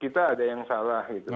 kita ada yang salah gitu